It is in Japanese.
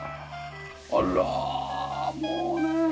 あらもうね